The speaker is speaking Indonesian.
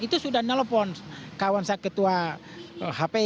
itu sudah nelpon kawan saya ketua hp